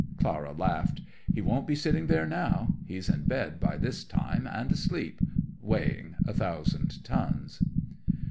Clara laughed. "He won't be sitting there now. He's in bed by this time, and asleep weighing a thousand tons."